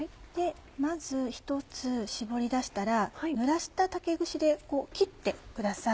まず１つ絞り出したら濡らした竹串で切ってください。